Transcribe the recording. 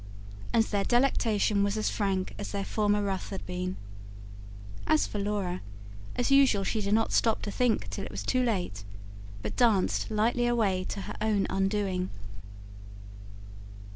And their delectation was as frank as their former wrath had been. As for Laura, as usual she did not stop to think till it was too late; but danced lightly away to her own undoing.